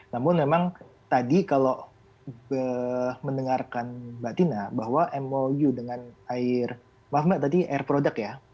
namun memang tadi kalau mendengarkan mbak tina bahwa mou dengan air maaf mbak tadi air product ya